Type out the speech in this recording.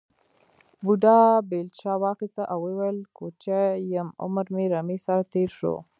بوډا بېلچه واخیسته او وویل کوچی یم عمر مې رمې سره تېر شو.